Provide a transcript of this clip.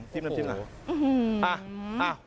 จิ้มนะ